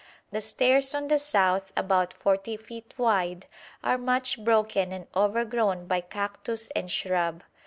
The stairs on the south, about 40 feet wide, are much broken and overgrown by cactus and shrub.